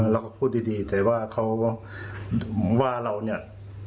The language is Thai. เราก็พูดดีแต่ว่าเขาผมว่าเราเนี่ย